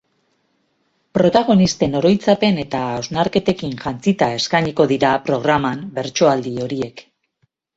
Protagonisten oroitzapen eta hausnarketekin jantzita eskainiko dira programan bertsoaldi horiek.